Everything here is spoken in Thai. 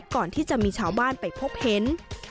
ก่อนที่จะมีชาวบ้านไปพบเห็น